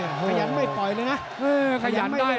หรือว่าผู้สุดท้ายมีสิงคลอยวิทยาหมูสะพานใหม่